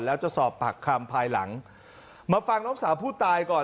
แล้วจะสอบปากคำภายหลังมาฟังน้องสาวผู้ตายก่อน